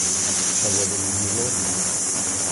Ssawalen-iyi Laurie.